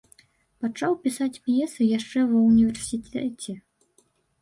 Пачаў пісаць п'есы яшчэ ва ўніверсітэце.